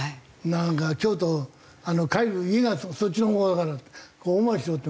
なんか京都帰る家がそっちのほうだから大回りしろって。